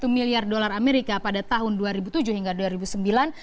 satu miliar dolar amerika pada tahun dua ribu tujuh hingga dua ribu sembilan